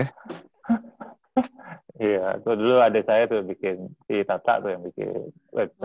iya gue dulu adik saya tuh bikin si tata tuh yang bikin web